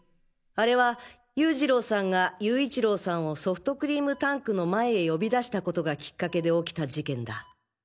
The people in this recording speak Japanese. あれは優次郎さんが勇一郎さんをソフトクリームタンクの前へ呼び出したことがきっかけで起きた事件だ。